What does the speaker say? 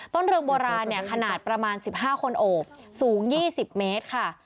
เรืองโบราณขนาดประมาณ๑๕คนโอบสูง๒๐เมตรค่ะ